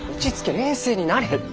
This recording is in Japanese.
冷静になれって。